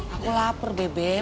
aku lapar bebe